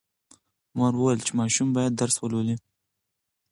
مور وویل چې ماشوم باید درس ولولي.